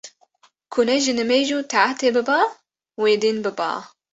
ku ne ji nimêj û taetê biba wê dîn biba